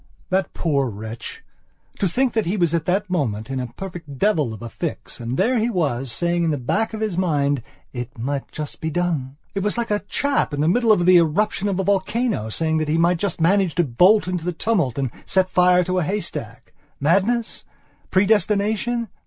That poor wretch! to think that he was at that moment in a perfect devil of a fix, and there he was, saying at the back of his mind: "It might just be done." It was like a chap in the middle of the eruption of a volcano, saying that he might just manage to bolt into the tumult and set fire to a haystack. Madness? Predestination?